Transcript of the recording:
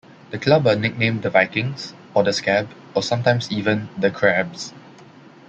The club are nicknamed "the Vikings" or "the Scab" or sometimes even "the Crabs".